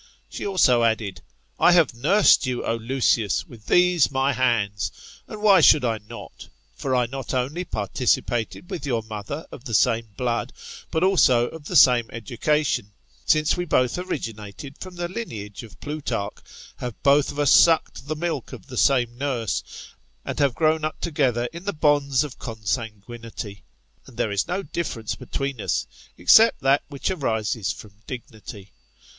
She also added, I have nursed you, O Lucius, with these my hands. And why should I not ? For I not only participated with your mother of the same blood, but also of die same edu cation ; since we both originated from the lineage of Plutarch, have both of us sucked the milk of the same nurse, and have grown up together in the bonds of consanguinity ; and there is no difference between us, except that which arises firom dignity.